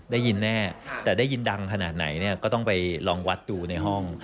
ได้ยินแน่แต่ได้ยินดังขนาดไหนเนี่ยก็ต้องไปลองวัดดูในห้อง